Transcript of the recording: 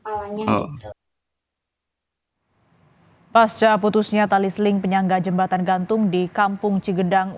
awalnya pasca putusnya tali seling penyangga jembatan gantung di kampung cigedang